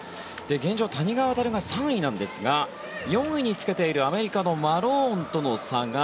現状、谷川航が３位なんですが４位につけているアメリカのマローンとの差が